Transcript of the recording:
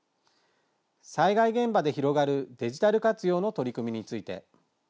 災害現場で広がるデジタル活用の取り組みについて。